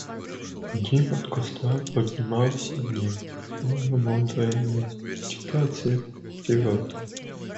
Дым от костра поднимался в небо, словно мудрая медитация природы.